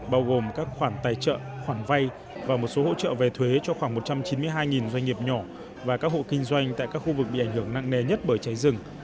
bao gồm các khoản tài trợ khoản vay và một số hỗ trợ về thuế cho khoảng một trăm chín mươi hai doanh nghiệp nhỏ và các hộ kinh doanh tại các khu vực bị ảnh hưởng nặng nề nhất bởi cháy rừng